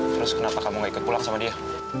terus kenapa kamu gak ikut pulang sama dia